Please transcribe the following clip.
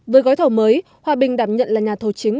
với gói thầu mới hòa bình đảm nhận là nhà thầu chính